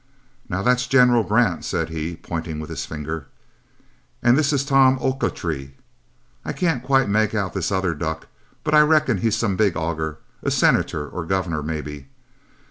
"Now, that's General Grant," said he, pointing with his finger, "and this is Tom Ochiltree. I can't quite make out this other duck, but I reckon he's some big auger a senator or governor, maybe.